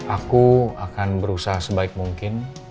aku akan berusaha sebaik mungkin